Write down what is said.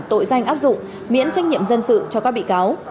tội danh áp dụng miễn trách nhiệm dân sự cho các bị cáo